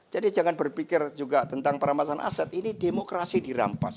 jadi jangan berpikir juga tentang perampasan aset ini demokrasi dirampas